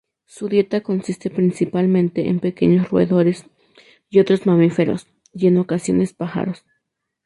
Su dieta consiste principalmente en pequeños roedores y otros mamíferos, y en ocasiones pájaros.